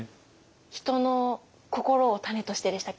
「人の心を種として」でしたっけ。